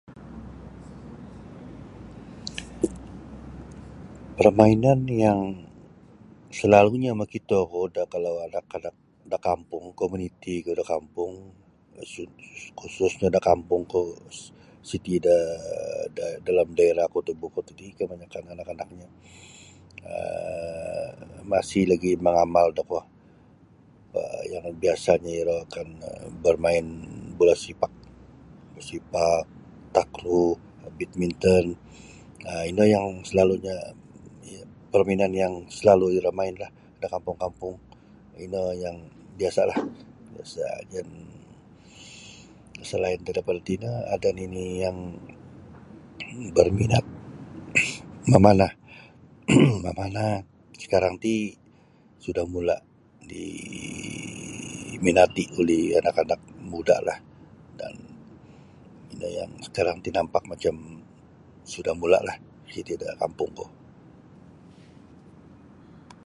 Permainan yang selalunyo makitoku da kalau anak-anak da kampung komunitiku da kampung khususnya da kampungku siti da dalam daerahku da Baufort ti kebanyakan anak-anaknyo um masih lagi mengamal da kuo um yang biasanyo iro akan bermain bola sepak bola sepak takru bidminton um ino yang selalunyo permainan yang selalu iro main da kampung-kampung ino yang biasalah. Selain daripada tino ada nini yang berminat memanah um memanah sekarang ti sudah mula diminati oleh anak-anak mudalah dan ino yang sekarang ti nampak macam sudah mulalah siti da kampungku.